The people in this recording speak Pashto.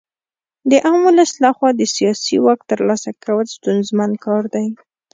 د عام ولس لخوا د سیاسي واک ترلاسه کول ستونزمن کار دی.